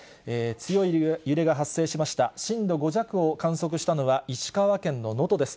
強い揺れが発生しました、震度５弱を観測したのは石川県の能登です。